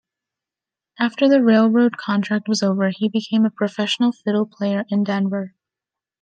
After the railroad contract was over, he became a professional fiddle player in Denver.